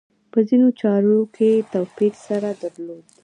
په ځینو چارو کې توپیر سره درلود.